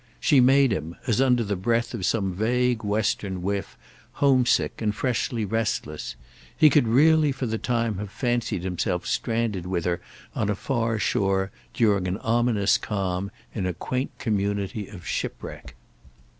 She made him, as under the breath of some vague western whiff, homesick and freshly restless; he could really for the time have fancied himself stranded with her on a far shore, during an ominous calm, in a quaint community of shipwreck.